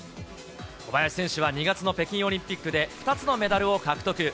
小林選手は２月の北京オリンピックで、２つのメダルを獲得。